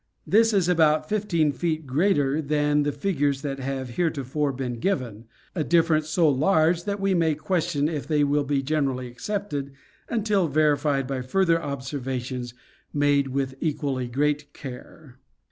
This is about 15 ft. greater than the figures that have heretofore been given ; a difference so large that we may question if they will be generally accepted until verified by further observations made with equally great care.